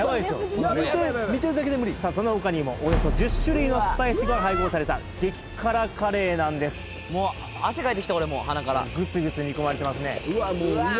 この量見てるだけで無理その他にもおよそ１０種類のスパイスが配合された激辛カレーなんです汗かいてきた俺もう鼻からグツグツ煮込まれてますねうわ！